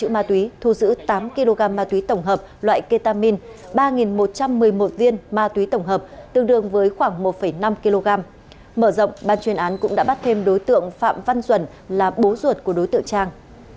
mở rộng ban chuyên án cũng đã bắt thêm đối tượng phạm văn duẩn là bố ruột của đối tượng trang